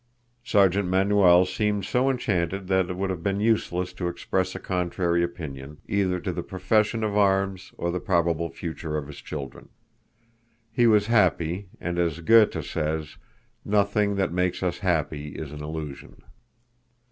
Sergeant Manuel seemed so enchanted that it would have been useless to express a contrary opinion, either to the profession of arms or the probable future of his children. He was happy, and as Goethe says, "Nothing that makes us happy is an illusion."